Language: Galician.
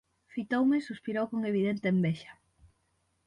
Fitoume e suspirou con evidente envexa.